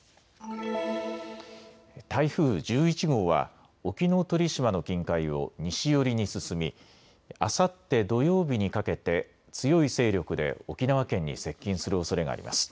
台風１１号は沖ノ鳥島の近海を西寄りに進みあさって土曜日にかけて強い勢力で沖縄県に接近するおそれがあります。